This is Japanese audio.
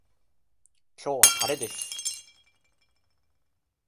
今日は晴れです